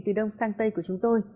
từ đông sang tây của chúng tôi